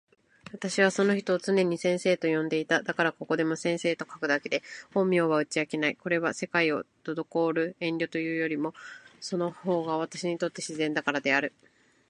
私はその人を常に先生と呼んでいた。だから、ここでもただ先生と書くだけで、本名は打ち明けない。これは、世界を憚る遠慮というよりも、その方が私にとって自然だからである。